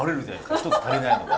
１つ足りないのが。